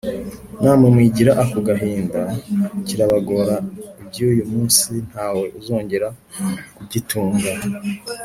Na mwe mwigira ako gahinda Kirabagora iby'uyu munsi Nta we uzongera kugitunga: